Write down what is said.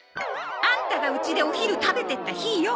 アンタがうちでお昼食べていった日よ。